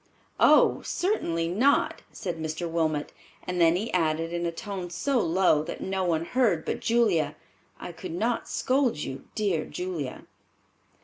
"Oh, certainly not," said Mr. Wilmot, and then he added in a tone so low that no one heard but Julia, "I could not scold you, dear Julia."